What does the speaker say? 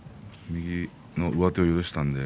右の上手を許したので。